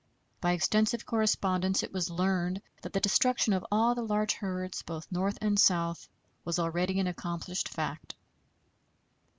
By extensive correspondence it was learned that the destruction of all the large herds, both North and South, was already an accomplished fact.